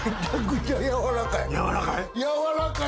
やわらかい？